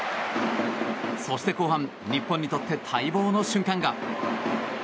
そして後半日本にとって待望の瞬間が。